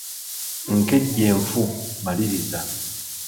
Nkejje nfu, maliriza.